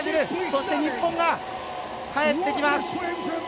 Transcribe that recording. そして日本が帰ってきます。